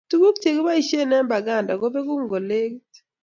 Tuguuk chegiboishen eng Banda kobegu ngolegit